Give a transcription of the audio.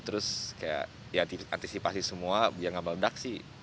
terus kayak ya antisipasi semua biar gak berbedak sih